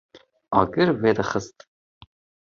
agir vedixwist